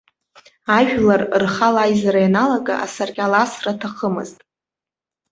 Ажәлар рхала аизара ианалага асаркьал асра аҭахымызт.